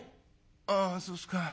「ああそうすか。